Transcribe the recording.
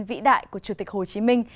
vĩ đại của chủ tịch hồ chí minh